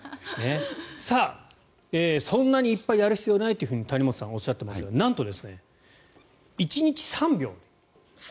そんなにいっぱいやる必要ないと谷本さんはおっしゃっていますがなんと１日３秒。